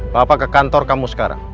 bapak ke kantor kamu sekarang